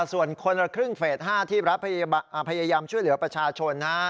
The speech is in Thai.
ส่วนคนละครึ่งเฟส๕ที่รัฐพยายามช่วยเหลือประชาชนนะฮะ